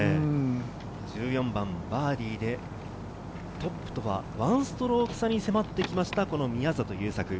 １４番バーディーで、トップとは１ストローク差に迫ってきました、宮里優作。